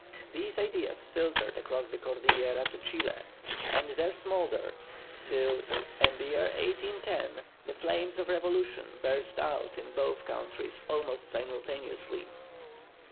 These ideas filtered across the Cordillera to Chile, and there smouldered till, in the year 1810, the flames of revolution burst out in both countries almost simultaneously.